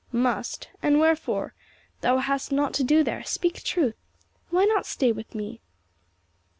"Must? And wherefore? Thou hast nought to do there; speak truth! Why not stay with me?"